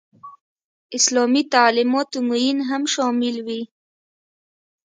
اسلامي تعلیماتو معین هم شامل وي.